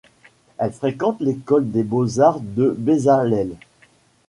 Elle fréquente l’école des Beaux-Arts de Bezalel.